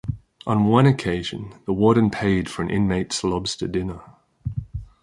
On one occasion, the warden paid for an inmate's lobster dinner.